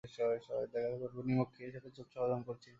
দেখাতে পারব নিমক খেয়ে সেটা চুপচাপ হজম করছি নে।